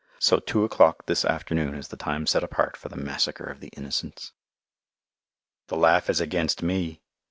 So two o'clock this afternoon is the time set apart for the massacre of the innocents. The laugh is against me!